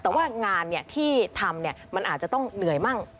แต่ว่างานที่ทำมันอาจจะต้องเหนื่อยมั่ง